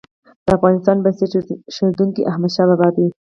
د افغانستان بنسټ ايښودونکی احمدشاه بابا دی.